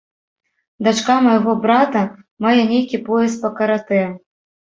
Дачка майго брата мае нейкі пояс па каратэ.